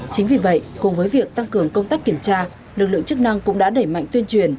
chính vì vậy cùng với việc tăng cường công tác kiểm tra lực lượng chức năng cũng đã đẩy mạnh tuyên truyền